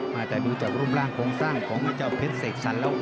แต่ดูจากรูปร่างโครงสร้างของไอ้เจ้าเพชรเสกสรรแล้ว